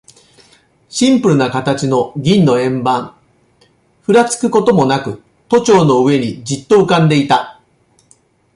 シンプルな形の銀の円盤、ふらつくこともなく、都庁の上にじっと浮んでいた。